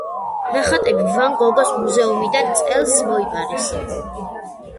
ნახატები ვან გოგის მუზეუმიდან წელს მოიპარეს.